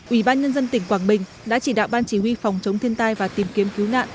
ủy ban nhân dân tỉnh quảng bình đã chỉ đạo ban chỉ huy phòng chống thiên tai và tìm kiếm cứu nạn